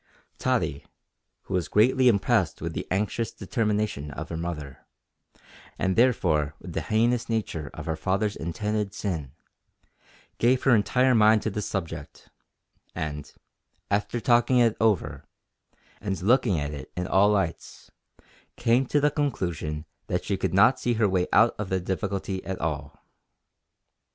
Tottie, who was greatly impressed with the anxious determination of her mother, and therefore with the heinous nature of her father's intended sin, gave her entire mind to this subject, and, after talking it over, and looking at it in all lights, came to the conclusion that she could not see her way out of the difficulty at all.